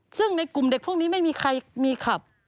ซึ่งในกลุ่มเด็กพวกนี้ไม่มีใครมีขับ